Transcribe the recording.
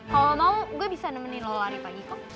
kalau mau gue bisa nemenin lo lari pagi kok